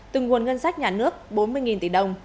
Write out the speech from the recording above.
từng nguồn ngân sách nhán nước bốn mươi tỷ đồng